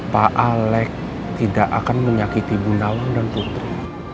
pak alex tidak akan menyakiti bu nawa dan putri